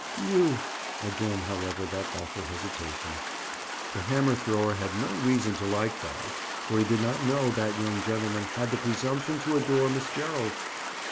"You—" Again, however, that awful hesitation! The hammer thrower had no reason to like Bob, for did he not know that young gentleman had the presumption to adore Miss Gerald?